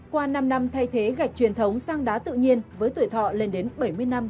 qua năm năm thay thế gạch truyền thống sang đá tự nhiên với tuổi thọ lên đến bảy mươi năm